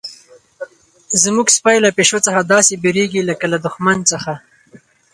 زموږ سپی له پیشو څخه داسې بیریږي لکه له دښمن څخه.